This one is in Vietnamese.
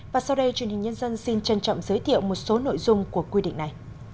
và sau đây truyền hình nhân dân xin trân trọng giới thiệu một số nội dung của quy định này